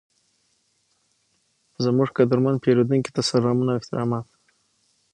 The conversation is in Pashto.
زموږ قدرمن پیرودونکي ته سلامونه او احترامات،